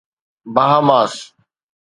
Bahamas